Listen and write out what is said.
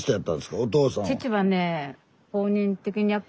父はね